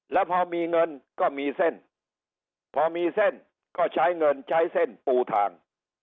แล้วพอมีเงินก็มีเส้นพอมีเส้นก็ใช้เงินใช้เส้นปูทาง